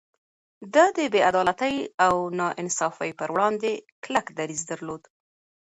ده د بې عدالتۍ او ناانصافي پر وړاندې کلک دريځ درلود.